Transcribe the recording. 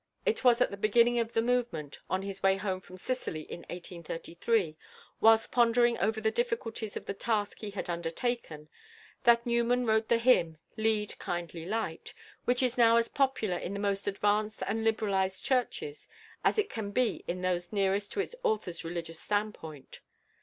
It was at the beginning of the movement, on his way home from Sicily in 1833, whilst pondering over the difficulties of the task he had undertaken, that Newman wrote the hymn "Lead, kindly Light," which is now as popular in the most advanced and liberalized churches as it can be in those nearest to its author's religious standpoint.